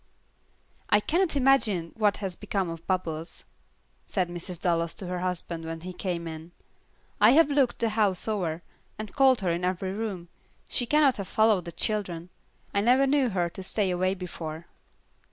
"I cannot imagine what has become of Bubbles," said Mrs. Dallas to her husband when he came in. "I have looked the house over, and called her in every room. She cannot have followed the children. I never knew her to stay away before."